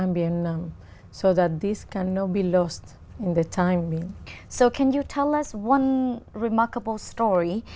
và trong thời gian này